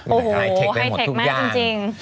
โอ้โหไฮเทคได้หมดทุกอย่าง